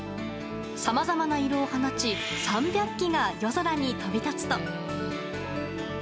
さまざまな色を放ち３００機が夜空に飛び立つと。